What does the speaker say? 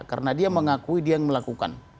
karena dia mengakui dia yang melakukan